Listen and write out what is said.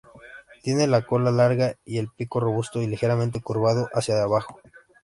Tiene la cola larga y el pico robusto y ligeramente curvado hacia abajo.